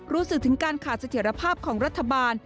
รู้สึกถึงการขาดเสถียรภาพของรัฐบาล